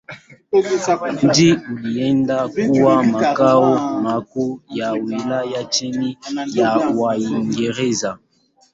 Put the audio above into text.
Mji uliendelea kuwa makao makuu ya wilaya chini ya Waingereza.